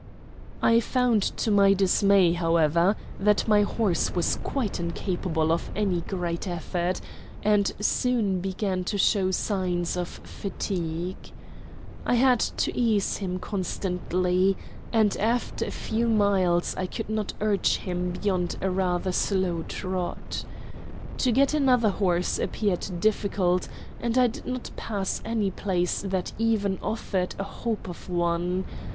I found to my dismay, however, that my horse was quite incapable of any great effort, and soon began to show signs of fatigue. I had to ease him constantly, and after a few miles I could not urge him beyond a rather slow trot. To get another horse appeared difficult, and I did not pass any place that even offered a hope of one.